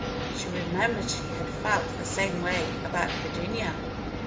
She remembered she had felt the same way about Virginia.